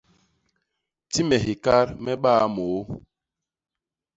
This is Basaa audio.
Ti me hikat me mbaaa môô.